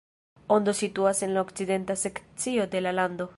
Ondo situas en la okcidenta sekcio de la lando.